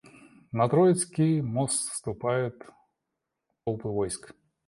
На Троицкий мост вступают толпы войск.